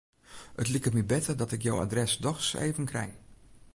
It liket my better dat ik jo adres dochs even krij.